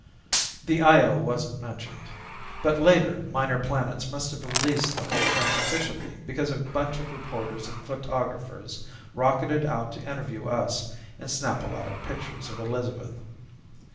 The Io wasn't mentioned, but later Minor Planets must have released the whole thing officially because a bunch of reporters and photographers rocketed out to interview us and snap a lot of pictures of Elizabeth.